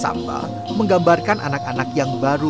sambal menggambarkan anak anak yang baru